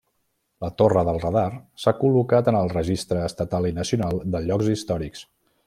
La torre del radar s'ha col·locat en el Registre Estatal i Nacional de Llocs Històrics.